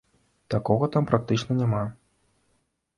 Такога там практычна няма.